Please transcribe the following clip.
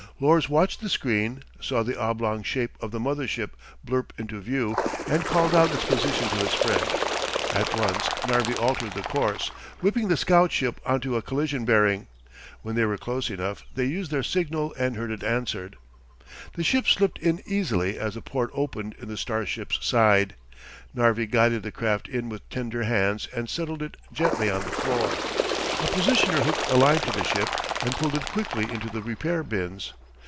Lors, watching the screen, saw the oblong shape of the mother ship blurp into view and called out its position to his friend. At once, Narvi altered the course, whipping the scout ship onto a collision bearing. When they were close enough, they used their signal and heard it answered. The ship slipped in easily as the port opened in the starship's side. Narvi guided the craft in with tender hands and settled it gently on the floor. A positioner hooked a line to the ship and pulled it quickly into the repair bins.